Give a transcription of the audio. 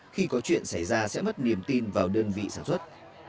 khi có chuyện xảy ra sẽ mất niềm tin vào đơn vị sản xuất